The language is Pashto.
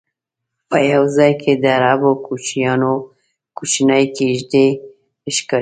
په یو ځای کې د عربو کوچیانو کوچنۍ کېږدی ښکارېدلې.